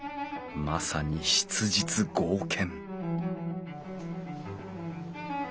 まさに質実剛健！